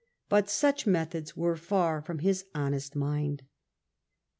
But such methods were far from his honest mind.